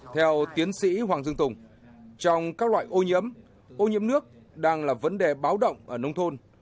theo tiến sĩ hoàng dương tùng trong các loại ô nhiễm ô nhiễm nước đang là vấn đề báo động ở nông thôn